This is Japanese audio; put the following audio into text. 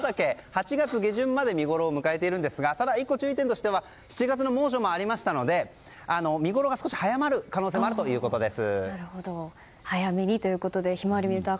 ８月下旬まで見ごろを迎えているんですがただ１個、注意点としては７月の猛暑もありましたので見ごろが少し早まる可能性もあるということです。